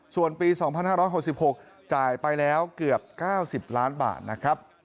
ส่วนปี๒๕๖๖จ่ายไปแล้วเกือบ๙๐ล้านบาทนะครับ